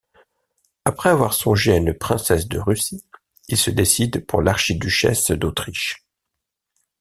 Après avoir songé à une princesse de Russie, il se décide pour l'archiduchesse d'Autriche.